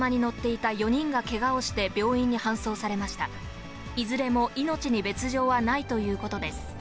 いずれも命に別状はないということです。